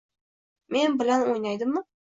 Men bilan o`ynaydimi